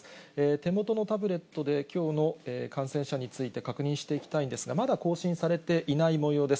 手元のタブレットで、きょうの感染者について確認していきたいんですが、まだ更新されていないもようです。